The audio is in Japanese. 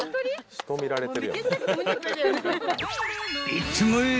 ［いってまえ！